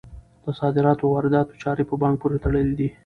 د صادراتو او وارداتو چارې په بانک پورې تړلي دي.